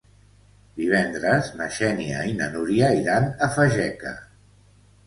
Divendres na Xènia i na Núria iran a Fageca.